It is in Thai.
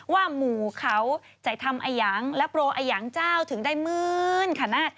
ว่าหมูเขาจัยทำอายังและโปรอายังเจ้าถึงได้หมืนค่ะนะ